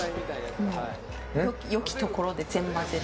良きところで全混ぜで。